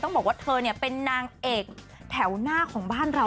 บอกว่าเธอเป็นนางเอกแถวหน้าของบ้านเรา